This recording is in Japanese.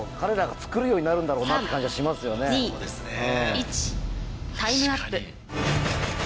３・２・１タイムアップ